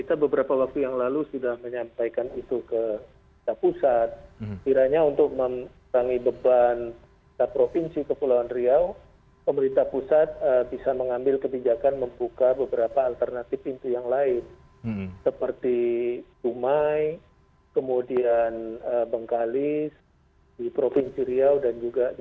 terima kasih pak